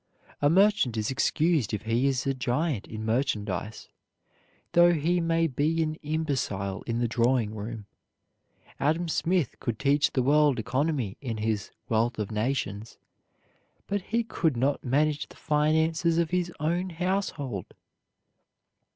A merchant is excused if he is a giant in merchandise, though he may be an imbecile in the drawing room. Adam Smith could teach the world economy in his "Wealth of Nations," but he could not manage the finances of his own household.